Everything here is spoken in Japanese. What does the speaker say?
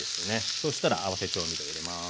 そうしたら合わせ調味料入れます。